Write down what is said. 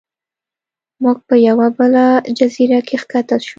موږ په یوه بله جزیره کې ښکته شو.